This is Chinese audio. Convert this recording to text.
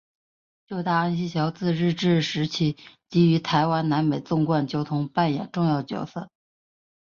旧大安溪桥自日治时期即于台湾南北纵贯交通扮演重要角色。